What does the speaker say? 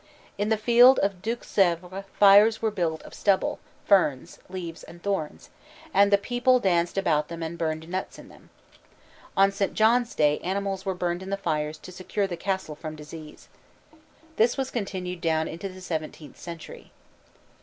In the fields of Deux Sèvres fires were built of stubble, ferns, leaves, and thorns, and the people danced about them and burned nuts in them. On St. John's Day animals were burned in the fires to secure the cattle from disease. This was continued down into the seventeenth century.